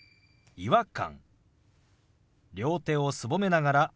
「違和感」。